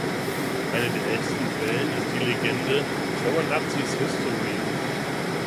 Eine der ältesten Quellen ist die Legende „Xorenatsi’s History“.